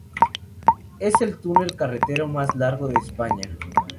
Es el túnel carretero más largo de España.